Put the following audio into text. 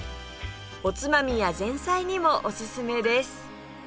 おつまみや前菜にもおすすめです